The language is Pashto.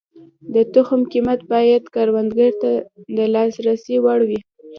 د تخم قیمت باید کروندګر ته د لاسرسي وړ وي.